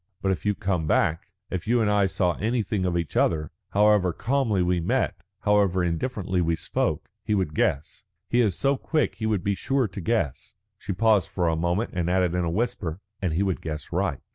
But if you come back, if you and I saw anything of each other, however calmly we met, however indifferently we spoke, he would guess. He is so quick he would be sure to guess." She paused for a moment, and added in a whisper, "And he would guess right."